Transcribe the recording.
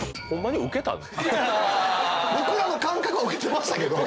僕らの感覚はウケてましたけど。